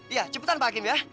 iya cepetan pak hakim ya